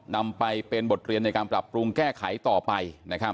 นำไปเป็นบทเรียนในการปรับปรุงแก้ไขต่อไป